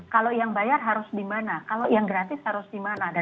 kalau yang bayar harus di mana kalau yang gratis harus di mana